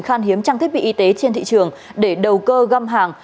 khan hiếm trang thiết bị y tế trên thị trường để đầu cơ găm hàng